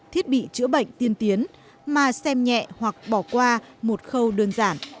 thiết bị chữa bệnh tiên tiến mà xem nhẹ hoặc bỏ qua một khâu đơn giản